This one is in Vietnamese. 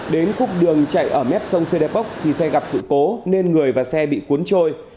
đến khúc đường chạy ở mét sông sê đê pốc khi xe gặp sự cố nên người và xe bị cuốn trôi